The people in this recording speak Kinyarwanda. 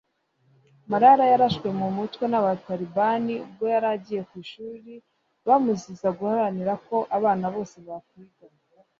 Malala yarashwe mu mutwe n’Abatalibani ubwo yari agiye ku ishuri bamuziza guharanira ko abana bose bakwiga